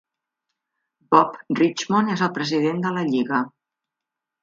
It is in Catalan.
Bob Richmond és el president de la Lliga.